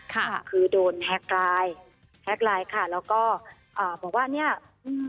ค่ะคือโดนแฮ็กไลน์แฮ็กไลน์ค่ะแล้วก็อ่าบอกว่าเนี้ยอืม